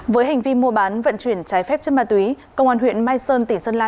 với hành vi mua bán vận chuyển trái phép chất ma túy công an huyện mai sơn tỉnh sơn la